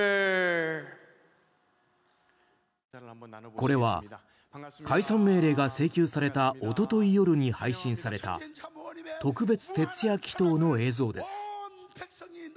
これは、解散命令が請求されたおととい夜に配信された特別徹夜祈祷の映像です。